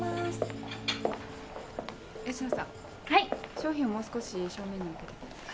商品をもう少し正面に向けてください。